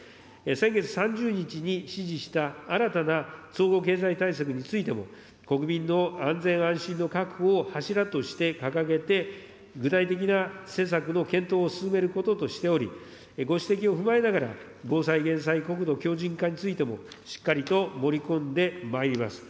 先月３０日に指示した新たな総合経済対策についても、国民の安全安心の確保を柱として掲げて、具体的な施策の検討を進めることとしており、ご指摘を踏まえながら、防災・減災、国土強靭化についても、しっかりと盛り込んでまいります。